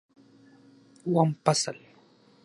اووم فصل